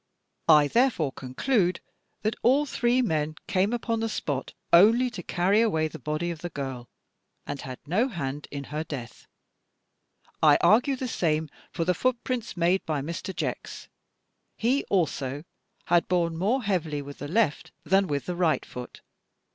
"I therefore conclude that all three men came upon the spot only to carry away the body of the girl, and had no hand in her death. "I argue the same from the footprints made by Mr. Jex. He also had borne more heavily with the left than with the right foot.